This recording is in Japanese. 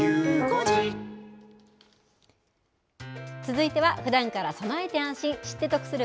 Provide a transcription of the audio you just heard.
続いてはふだんから備えて安心、知って得する！